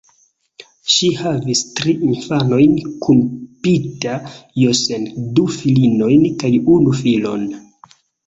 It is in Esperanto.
Ŝi havis tri infanojn kun Peter Jensen, du filinojn kaj unu filon.